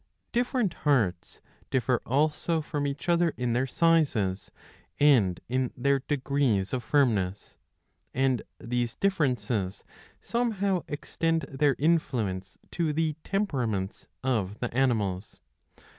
Different hearts differ also from each other in their sizes, and in their degrees of firmness ; and these differences somehow extend their influence to the temperaments of the animals.